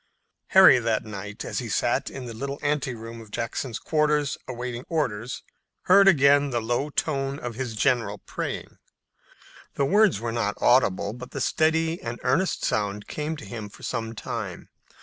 Harry that night, as he sat in the little anteroom of Jackson's quarters awaiting orders, heard again the low tone of his general praying. The words were not audible, but the steady and earnest sound came to him for some time.